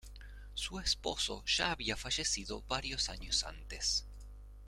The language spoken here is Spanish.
Su esposo ya había fallecido varios años antes.